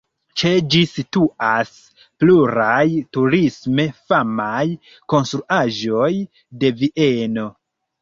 Ĉe ĝi situas pluraj turisme famaj konstruaĵoj de Vieno.